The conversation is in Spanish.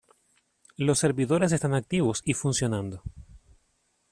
Los servidores están activos y funcionando.